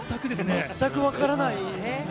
全く分からないですね。